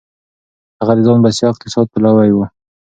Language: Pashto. هغه د ځان بسيا اقتصاد پلوی و.